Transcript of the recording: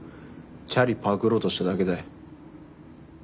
チャリパクろうとしただけだよ。